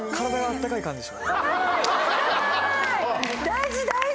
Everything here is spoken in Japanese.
大事大事！